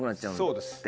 そうです。